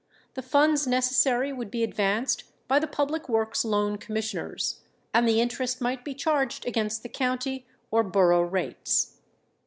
The funds necessary would be advanced by the Public Works Loan Commissioners, and the interest might be charged against the county or borough rates.